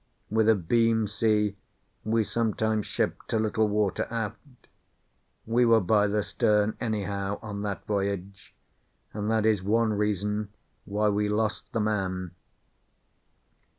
With a beam sea we sometimes shipped a little water aft. We were by the stern, anyhow, on that voyage, and that is one reason why we lost the man.